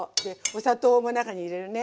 お砂糖も中に入れるね。